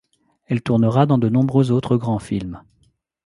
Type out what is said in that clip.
Elle tournera dans de nombreux autres grands films.